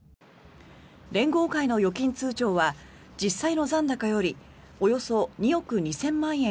連合会の預金通帳は実際の残高よりおよそ２億２０００万円